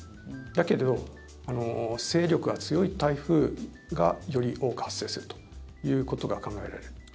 だけど勢力が強い台風がより多く発生するということが考えられると。